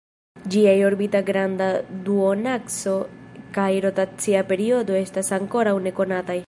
Ĝiaj orbita granda duonakso kaj rotacia periodo estas ankoraŭ nekonataj.